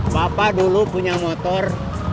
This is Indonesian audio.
bapak dulu punya motor